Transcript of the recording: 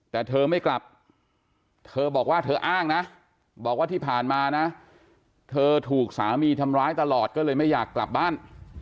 แต่เธอไม่กลับเธอบอกว่าเธออ้างนะบอกว่าที่ผ่านมานะเธอถูกสามีทำร้ายตลอดก็เลยไม่อยากกลับบ้าน